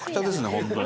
本当に。